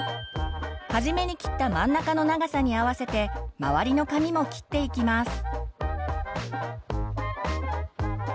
初めに切った真ん中の長さに合わせて周りの髪も切っていきます。